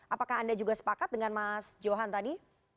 apakah anda juga sepakat dengan mas johan tadi